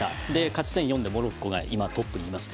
勝ち点４でモロッコが今トップにいます。